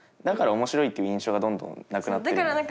だから面白いっていう印象がどんどんなくなってくる。